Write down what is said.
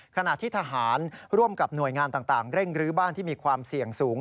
ขณะที่ทหารร่วมกับหน่วยงานต่างเร่งรื้อบ้านที่มีความเสี่ยงสูง